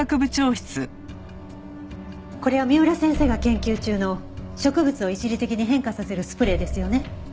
これは三浦先生が研究中の植物を一時的に変化させるスプレーですよね。